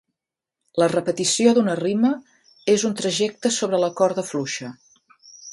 La repetició d'una rima és un trajecte sobre la corda fluixa.